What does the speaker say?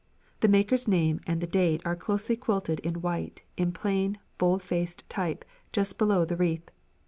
The maker's name and the date are closely quilted in white in plain bold faced type just below the wreath.